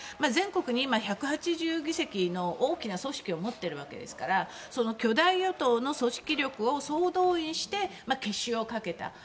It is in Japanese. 全国に今、１８０議席の大きな組織を持っているわけですからその巨大与党の組織力を総動員して決死をかけた。